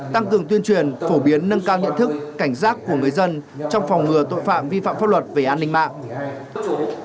tăng cường tuyên truyền phổ biến nâng cao nhận thức cảnh giác của người dân trong phòng ngừa tội phạm vi phạm pháp luật về an ninh mạng